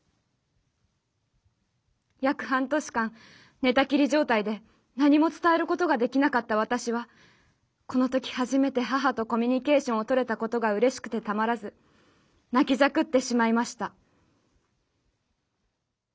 約半年間寝たきり状態で何も伝えることができなかった私はこのとき初めて母とコミュニケーションを取れたことが嬉しくてたまらず泣きじゃくってしまいました」。